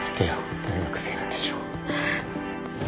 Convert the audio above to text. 見大学生なんでしょはぁ。